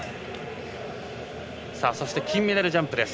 そして、金メダルジャンプです。